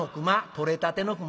取れたての熊。